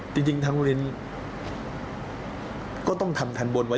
จริงทั้งมนุษย์ก็ต้องทำทันบนไว้